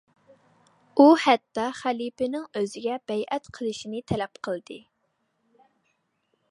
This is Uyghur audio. ئۇ ھەتتا خەلىپىنىڭ ئۆزىگە بەيئەت قىلىشنى تەلەپ قىلدى.